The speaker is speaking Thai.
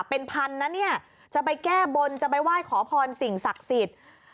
เป็นพันนะเนี่ยจะไปแก้บนจะไปไหว้ขอพรสิ่งศักดิ์สิทธิ์